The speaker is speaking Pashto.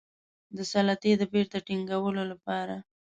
د سلطې د بیرته ټینګولو لپاره.